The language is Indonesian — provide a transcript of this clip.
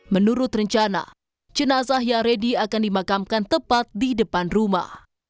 menurut rencana jenazah yaredi akan dimakamkan tepat di depan rumah